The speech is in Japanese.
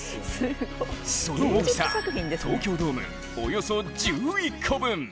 その大きさ、東京ドームおよそ１１個分。